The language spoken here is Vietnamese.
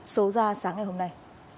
số ra sáng ngày hôm nay